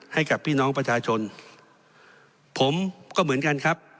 ให้กับพี่น้องประชาชนผมก็เหมือนกันครับ